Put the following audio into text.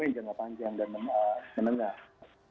ya itu adalah hal yang harus kita buat